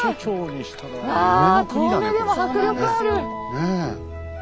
ねえ。